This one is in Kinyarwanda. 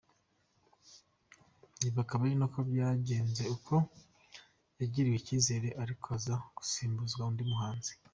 Ibi akaba ari nako byagenze kuko yagiriwe icyizere ariko akaza gusimbuzwa undi muhanzi.